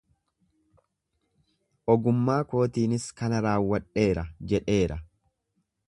Ogummaa kootiinis kana raawwadheera jedheera.